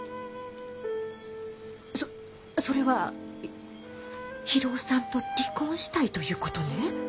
そっそれは博夫さんと離婚したいということねぇ？